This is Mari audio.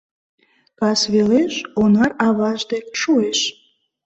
Кас велеш Онар аваж дек шуэш